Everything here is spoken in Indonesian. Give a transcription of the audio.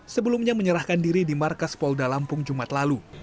sebelumnya menyerahkan diri di markas polda lampung jumat lalu